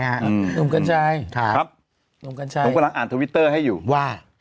หนุ่มกัญชัยครับหนุ่มกัญชัยหนุ่มกำลังอ่านทวิตเตอร์ให้อยู่ว่า